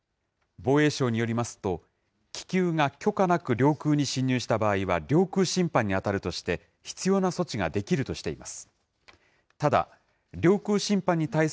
防衛省によりますと、気球が許可なく領空に侵入した場合は領空侵犯に当たるとして、必要な措置ができるとしています。